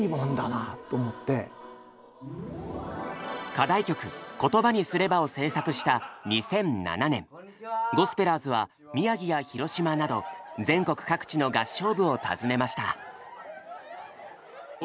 課題曲「言葉にすれば」を制作した２００７年ゴスペラーズは宮城や広島など全国各地の合唱部を訪ねました。